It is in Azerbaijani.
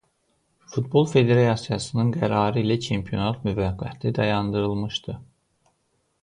Futbol federasiyasının qərarı ilə çempionat müvəqqəti dayandırılmışdı.